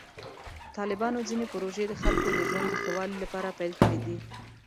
طالبانو ځینې پروژې د خلکو د ژوند د ښه والي لپاره پیل کړې دي.